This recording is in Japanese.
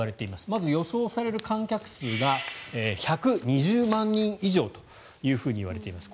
まず予想される観客数が１２０万人以上といわれています。